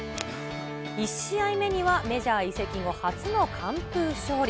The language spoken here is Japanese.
１試合目にはメジャー移籍後初の完封勝利。